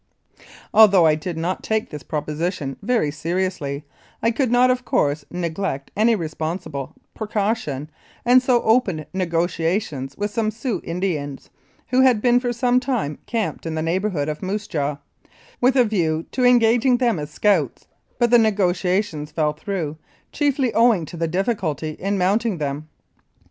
Although I did not take this proposition very seri ously, I could not, of course, neglect any reasonable pre caution, and so opened negotiations with some Sioux Indians, who had been for some time camped in the neighbourhood of Moose Jaw, with a view to engaging them as scouts, but the negotiations fell through, chiefly owing to the difficulty in mounting them.